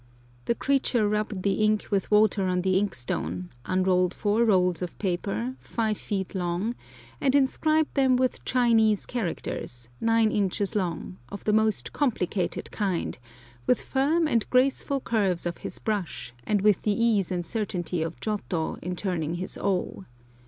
The creature rubbed the ink with water on the inkstone, unrolled four rolls of paper, five feet long, and inscribed them with Chinese characters, nine inches long, of the most complicated kind, with firm and graceful curves of his brush, and with the ease and certainty of Giotto in turning his O.